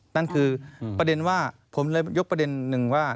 นั่นคือประเด็นว่าผมเลยยกประเด็นหนึ่งว่า